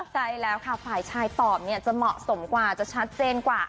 ใช่แล้วค่ะฝ่ายชายตอบเนี่ยจะเหมาะสมกว่าจะชัดเจนกว่า